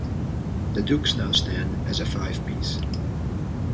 The Dukes now stand as a five piece.